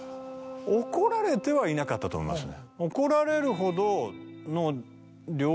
怒られてはいなかったと思いますね。